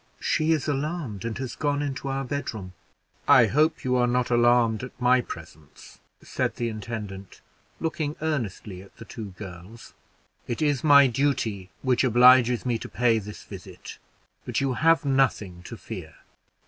"She is alarmed, and has gone into our bedroom." "I hope you are not alarmed at my presence," said the intendant, looking earnestly at the two girls. "It is my duty which obliges me to pay this visit; but you have nothing to fear.